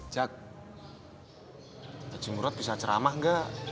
jack taji murad bisa ceramah gak